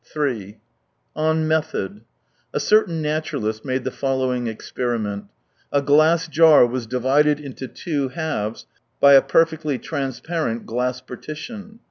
3 On Method. — A certain naturalist made the following experiment : A glass jar was divided into two halves by a perfectly transparent glass partition.